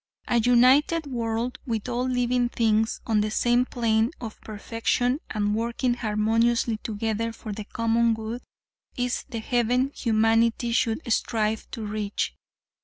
"A united world, with all living things on the same plane of perfection and working harmoniously together for the common good is the heaven humanity should strive to reach.